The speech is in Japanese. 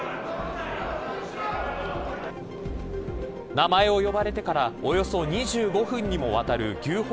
名前を呼ばれてからおよそ２５分にもわたる牛歩